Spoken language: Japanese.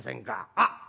あっ！